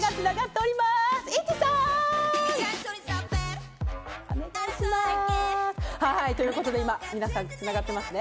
お願いします！ということで皆さんと繋がってますね。